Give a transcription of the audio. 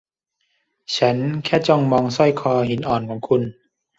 ฉันแค่จ้องมองสร้อยคอหินอ่อนของคุณ